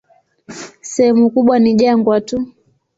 Sehemu kubwa ni jangwa tu.